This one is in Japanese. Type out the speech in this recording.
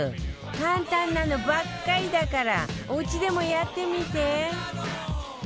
簡単なのばっかりだからおうちでもやってみて